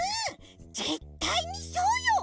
ぜったいにそうよ！